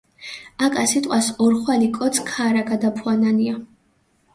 აკა სიტყვას ორხვალი კოც ქაარაგადაფუანანია.